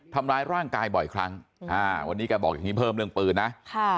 ทำร้ายร่างกายบ่อยครั้งอ่าวันนี้แกบอกอย่างนี้เพิ่มเรื่องปืนนะค่ะ